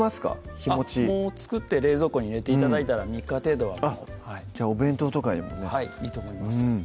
日もち作って冷蔵庫に入れて頂いたら３日程度はもうはいじゃあお弁当とかにもねはいいいと思います